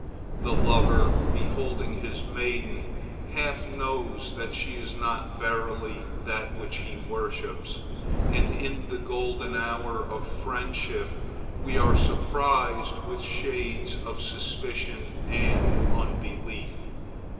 The lover, beholding his maiden, half knows that she is not verily that which he worships; and in the golden hour of friendship we are surprised with shades of suspicion and unbelief.